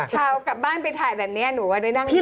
เช้ากลับบ้านไปถ่ายแบบนี้หนูว่าได้นั่งอย่างนี้